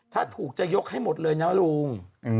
ถ้าถูกจะยกให้หมดเลยนะลุง